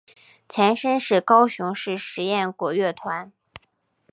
前身是高雄市实验国乐团。